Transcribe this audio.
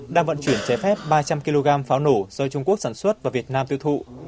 đang vận chuyển trái phép ba trăm linh kg pháo nổ do trung quốc sản xuất vào việt nam tiêu thụ